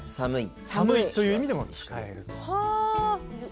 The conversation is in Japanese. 「寒い」という意味でも使える。